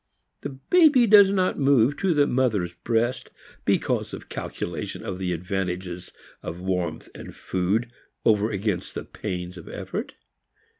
The baby does not move to the mother's breast because of calculation of the advantages of warmth and food over against the pains of effort.